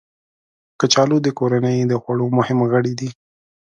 کچالو د کورنۍ د خوړو مهم غړی دی